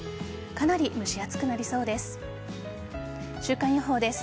かなり蒸し暑くなりそうです。